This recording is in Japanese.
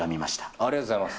ありがとうございます。